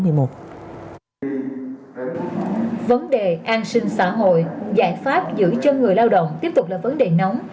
vấn đề an sinh xã hội giải pháp giữ chân người lao động tiếp tục là vấn đề nóng